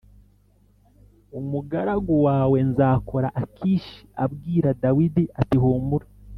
umugaragu wawe nzakora Akishi abwira Dawidi ati humura